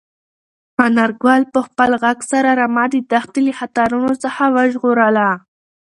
انارګل په خپل غږ سره رمه د دښتې له خطرونو څخه وژغورله.